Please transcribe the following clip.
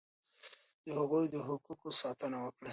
د هغوی د حقوقو ساتنه وکړئ.